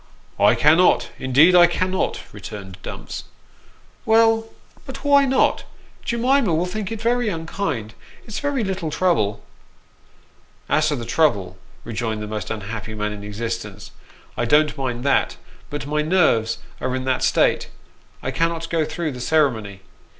" I cannot, indeed I cannot," returned Dumps. " Well, but why not ? Jemima will think it very unkind. It's very little trouble." " As to the trouble," rejoined the most unhappy man in existence, " I don't mind that ; but my nerves are in that state I cannot go through the ceremony.